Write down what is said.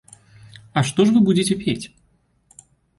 А што ж вы будзеце пець?